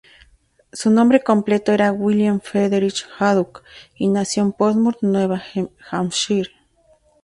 Su nombre completo era William Frederick Haddock, y nació en Portsmouth, Nuevo Hampshire.